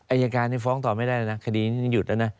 ไอ้อาการให้ฟ้องต่อไม่ได้นะคดีนี้ยังหยุดแล้วนะ